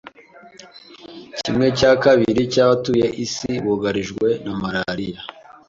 Kimwe cya kabiri cy’abatuye isi bugarijwe na malariya